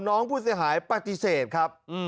น้องผู้เสียหายปฏิเสธครับ